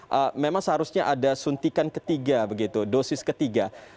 karena memang seharusnya ada suntikan ketiga begitu dosis ketiga